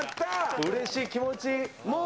うれしい、気持ちいい。